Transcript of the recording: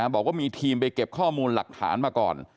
บอกว่ามีทีมไปเก็บข้อมูลหลักฐานมาก่อน